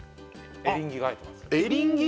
エリンギが入ってますエリンギ！？